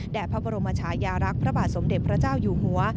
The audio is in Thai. และพระบรมชายารักษ์พระบาทสมเด็จพระเจ้าอยู่หัว